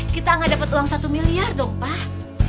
kita ga dapet uang satu miliar dong pak